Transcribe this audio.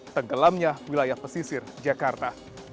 tenggelamnya wilayah pesisir jakarta